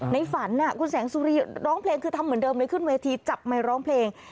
ในฝันคุณแสงสุรีร้องเพลงคือทำเหมือนเดิมเลยขึ้นเวทีจับไมค์ร้องเพลง